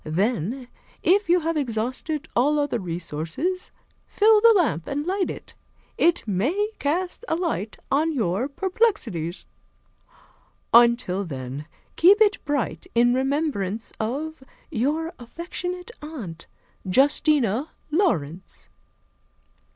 Then, if you have exhausted all other resources, fill the lamp and light it. It may cast a light on your perplexities. "Until then, keep it bright in remembrance of "Your affectionate aunt, "Justina Laurence."